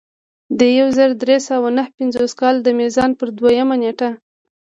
د یو زر درې سوه نهه پنځوس کال د میزان پر دویمه نېټه.